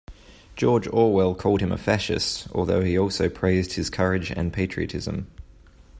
George Orwell called him a Fascist, although he also praised his courage and patriotism.